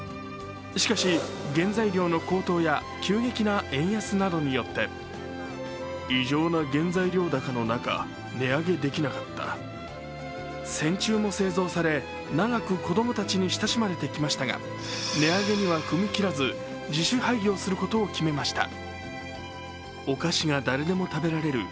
しかし、原材料の高騰や急激な円安などによって戦中も製造され、長く子供たちに親しまれてきましたが、値上げには踏み切らず自主廃業することを決めました。